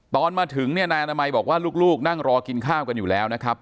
ตอนมาถึงเนี่ยนายอนามัยบอกว่าลูกนั่งรอกินข้าวกันอยู่แล้วนะครับ